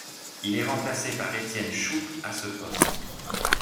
Il est remplacé par Etienne Schouppe à ce poste.